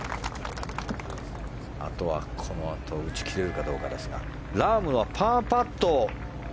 あとはこのあと打ち切れるかどうかですがラームのパーパット。